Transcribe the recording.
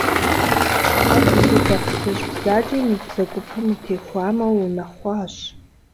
Адыдыд, а фызыжь бзаджэм и бзэгупэм утехуамэ, уунэхъуащ.